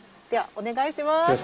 ではお願いします。